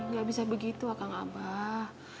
gak bisa begitu akan abah